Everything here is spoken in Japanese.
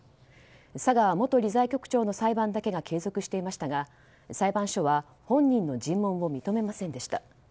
佐川元理財局長の裁判だけが継続していましたが裁判所は本人の尋問を認めませんでした。